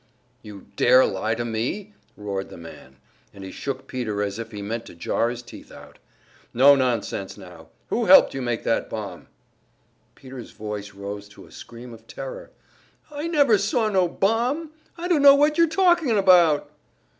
"You dare lie to me?" roared the man; and he shook Peter as if he meant to jar his teeth out. "No nonsense now! Who helped you make that bomb?" Peter's voice rose to a scream of terror: "I never saw no bomb! I dunno what you're talkin' about!"